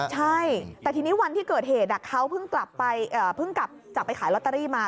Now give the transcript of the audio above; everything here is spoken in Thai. ใช่แต่ทีนี้วันที่เกิดเหตุเขาเพิ่งกลับจากไปขายลอตเตอรี่มา